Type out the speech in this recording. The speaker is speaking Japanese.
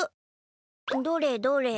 どれどれ？